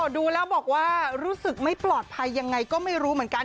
ดูแล้วบอกว่ารู้สึกไม่ปลอดภัยยังไงก็ไม่รู้เหมือนกัน